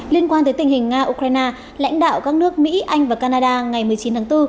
liên quan tới tình hình nga ukraine lãnh đạo các nước mỹ anh và canada ngày một mươi chín tháng bốn